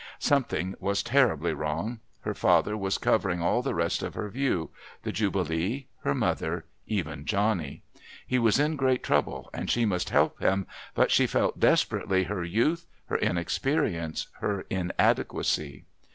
Something was terribly wrong. Her father was covering all the rest of her view the Jubilee, her mother, even Johnny. He was in great trouble, and she must help him, but she felt desperately her youth, her inexperience, her inadequacy.